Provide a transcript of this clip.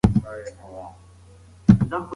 ویره ناسمه انګیزه ده